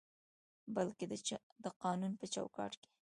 بلکې د قانون په چوکاټ کې